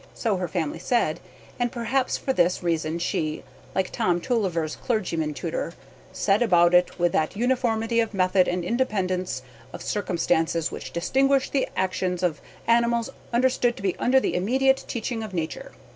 It came to her naturally, so her family said, and perhaps for this reason she, like Tom Tulliver's clergyman tutor, "set about it with that uniformity of method and independence of circumstances which distinguish the actions of animals understood to be under the immediate teaching of Nature."